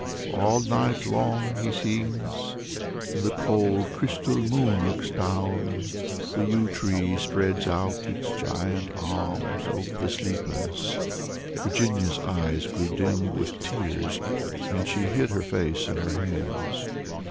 All night long he sings, and the cold crystal moon looks down, and the yew tree spreads out its giant arms over the sleepers." Virginia's eyes grew dim with tears, and she hid her face in her hands.